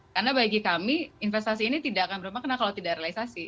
karena bagi kami investasi ini tidak akan berapa karena kalau tidak realisasi